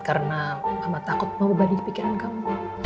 karena mama takut mau balik pikiran kamu